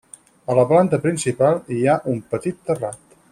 A la planta principal hi ha un petit terrat.